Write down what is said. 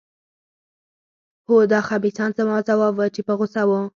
هو، دا خبیثان. زما ځواب و، چې په غوسه وو.